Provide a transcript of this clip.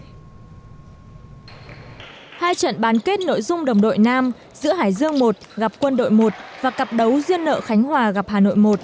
hai trận bán kết nội dung đồng đội nam giữa hải dương một gặp quân đội một và cặp đấu riêng nợ khánh hòa gặp hà nội một